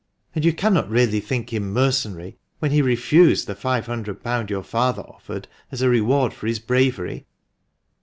And you cannot really think him mercenary, when he refused the £500 your father offered as a reward for his bravery."